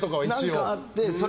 何かあって。